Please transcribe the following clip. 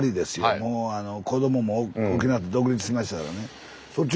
もう子どもも大きなって独立しましたからね。